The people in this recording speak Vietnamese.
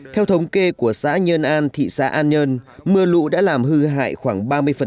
theo thống kê của xã nhơn an thị xã an nhơn mưa lũ đã làm hư hại khoảng ba mươi